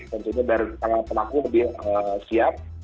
tentunya para pelaku lebih siap